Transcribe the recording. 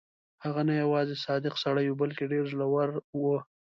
هغه نه یوازې صادق سړی وو بلکې ډېر زړه ور وو.